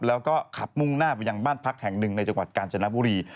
แล้วก็ขับมุ่งหน้าไปยังบ้านพักแห่งหนึ่งในจังหวัดกาญจนบุรี